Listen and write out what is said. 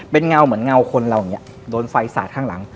เป็นเงาเหมือนเงาคนเราอย่างนี้โดนไฟสาดข้างหลัง